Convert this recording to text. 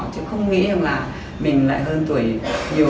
chứ không nghĩ là mình lại hơn tuổi nhiều